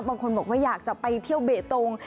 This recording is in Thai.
บางคนบอกว่าอยากจะไปเที่ยวเบตง